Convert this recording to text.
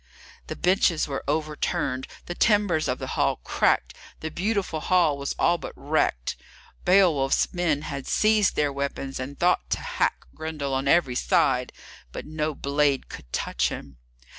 The benches were overturned, the timbers of the hall cracked, the beautiful hall was all but wrecked. Beowulf's men had seized their weapons and thought to hack Grendel on every side, but no blade could touch him.